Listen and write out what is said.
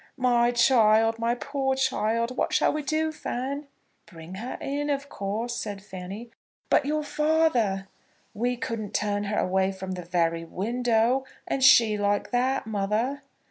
"My child; my poor child. What shall we do, Fan?" "Bring her in, of course," said Fanny. "But your father " "We couldn't turn her away from the very window, and she like that, mother."